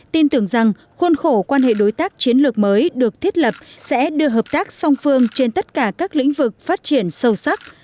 tin tưởng rằng khuôn khổ quan hệ đối tác chiến lược mới được thiết lập sẽ đưa hợp tác song phương trên tất cả các lĩnh vực phát triển sâu sắc